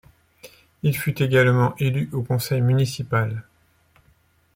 Il fut également élu au conseil municipal.